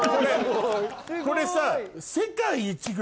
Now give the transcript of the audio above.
これさ。